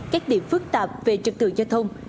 các điểm phức tạp về trực tượng giao thông